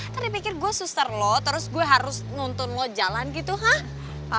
tadi pikir gue suster lo terus gue harus nuntun lo jalan gitu hah